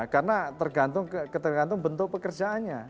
karena tergantung bentuk pekerjaannya